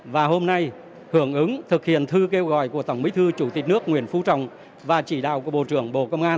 và hôm nay hưởng ứng thực hiện thư kêu gọi của tổng bí thư chủ tịch nước nguyễn phú trọng và chỉ đạo của bộ trưởng bộ công an